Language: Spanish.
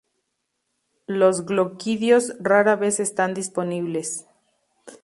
Los gloquidios rara vez están disponibles.